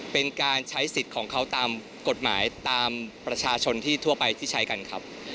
เป็นการใช้สิทธิ์ของเขาตามกฎหมายตามประชาชนที่ทั่วไปที่ใช้กันครับ